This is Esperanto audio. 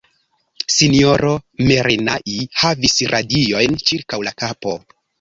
S-ro Merinai havis radiojn ĉirkaŭ la kapo.